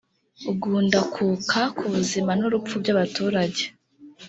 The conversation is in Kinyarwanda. gundakuka ku buzima n urupfu by abaturage